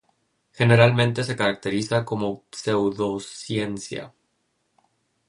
Generalmente se caracteriza como pseudociencia.